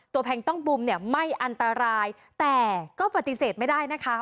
แพงต้องบุมเนี่ยไม่อันตรายแต่ก็ปฏิเสธไม่ได้นะคะ